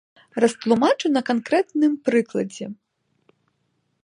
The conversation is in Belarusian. Растлумачу на канкрэтным прыкладзе.